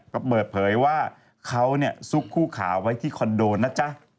ก็เปิดเผยว่าเขาซุกคู่ขาไว้ที่คอนโดนะจ๊ะ